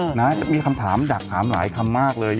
นะมีคำถามอยากถามหลายคำมากเลย